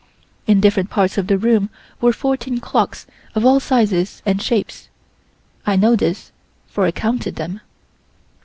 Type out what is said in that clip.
In different parts of the room were fourteen clocks of all sizes and shapes. I know this, for I counted them.